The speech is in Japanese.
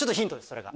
それが。